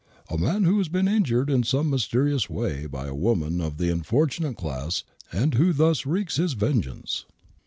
n A man who has been injured in some mysterious way by a woman of the unfortunate class, and who thus wreaks his vengeance."